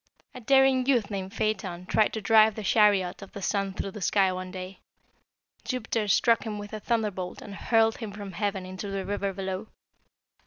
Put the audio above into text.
A daring youth named Phaeton tried to drive the chariot of the sun through the sky one day. Jupiter struck him with a thunderbolt, and hurled him from heaven into the river below.